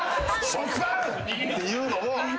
食パン！って言うのも。